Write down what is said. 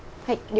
はい。